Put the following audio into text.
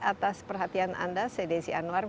atas perhatian anda saya desi anwar